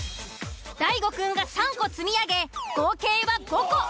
大悟くんが３個積み上げ合計は５個。